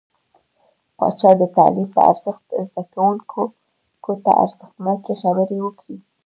پاچا د تعليم په ارزښت، زده کوونکو ته ارزښتناکې خبرې وکړې .